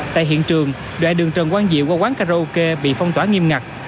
tại hiện trường đoạn đường trần quang diệu qua quán karaoke bị phong tỏa nghiêm ngặt